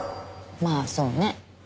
まあそうね。